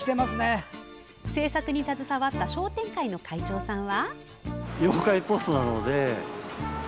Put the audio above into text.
制作に携わった商店会の会長さんは。